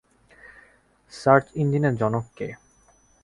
Search ইঞ্জিনের জনক কে?